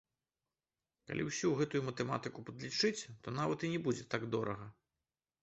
Калі ўсю гэтую матэматыку падлічыць, то нават і не будзе так дорага.